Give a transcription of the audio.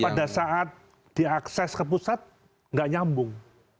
pada saat diakses ke pusat nggak nyambung